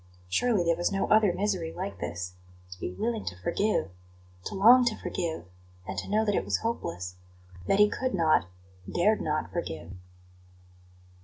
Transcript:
Surely there was no other misery like this to be willing to forgive, to long to forgive; and to know that it was hopeless that he could not, dared not forgive.